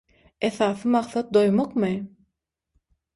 Esasy maksat doýmakmy?